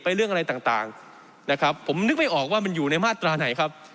เรื่องอะไรต่างนะครับผมนึกไม่ออกว่ามันอยู่ในมาตราไหนครับ